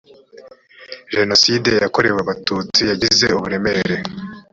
jenoside yakorewe abatutsi yagize uburemere